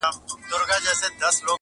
څوک یې وړونه څه خپلوان څه قریبان دي,